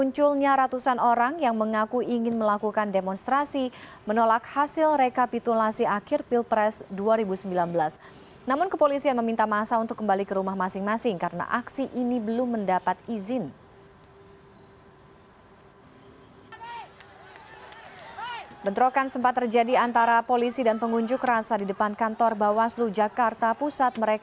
cnn indonesia breaking news